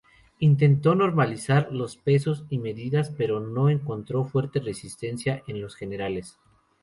Intentó normalizar los pesos y medidas, pero encontró fuerte resistencia en los Estados Generales.